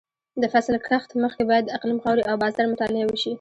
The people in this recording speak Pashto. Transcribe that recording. د فصل کښت مخکې باید د اقلیم، خاورې او بازار مطالعه وشي.